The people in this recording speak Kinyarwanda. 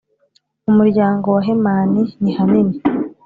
Mu muryango wa Hemani nihanini